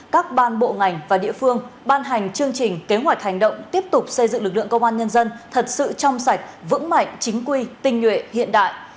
các ban bộ ngành và địa phương ban hành chương trình kế hoạch hành động tiếp tục xây dựng lực lượng công an nhân dân thật sự trong sạch vững mạnh chính quy tinh nhuệ hiện đại